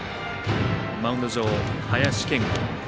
マウンド上、林謙吾。